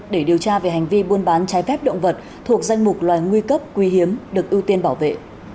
để điều tra về hành vi buôn bán trái phép động vật thuộc danh mục loài nguy cấp quý hiếm được ưu tiên bảo vệ